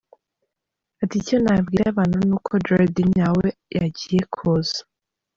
Ati “ Icyo nabwira abantu ni uko Jody nyawe agiye kuza.